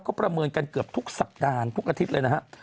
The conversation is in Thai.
เขาประเมินกันเกือบทุกสัปดาห์ทุกอาทิตย์เลยนะฮะ